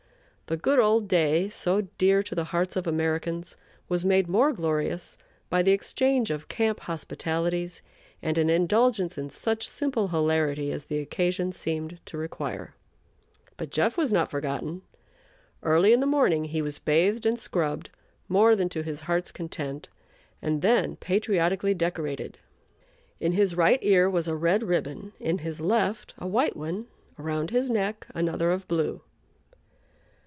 The good old day, so dear to the hearts of Americans, was made more glorious by the exchange of camp hospitalities and an indulgence in such simple hilarity as the occasion seemed to require; but "Jeff" was not forgotten. Early in the morning he was bathed and scrubbed, more than to his heart's content, and then patriotically decorated. In his right ear was a red ribbon, in his left a white one; around his neck another of blue.